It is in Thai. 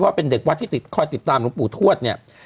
เพราะว่าเป็นเด็กวัดที่คอยติดตามลูกปู่ทวด